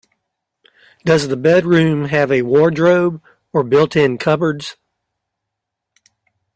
Does the bedroom have a wardrobe, or built-in cupboards?